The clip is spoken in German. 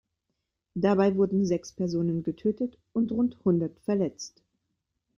Dabei wurden sechs Personen getötet und rund hundert verletzt.